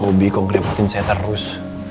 hobi kok ngerepotin saya terus